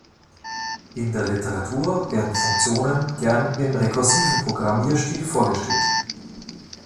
In der Literatur werden Funktionen gerne im rekursiven Programmierstil vorgestellt.